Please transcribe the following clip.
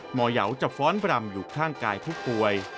เหยาจะฟ้อนบรำอยู่ข้างกายผู้ป่วย